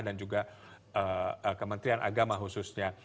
dan juga kementerian agama khususnya